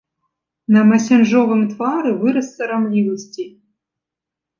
На масянжовым твары выраз сарамлівасці.